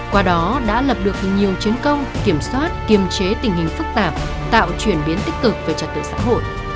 qua đó đã lập được nhiều chiến công kiểm soát kiềm chế tình hình phức tạp tạo chuyển biến tích cực về trật tự xã hội